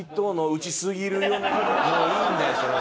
もういいんだよそれは。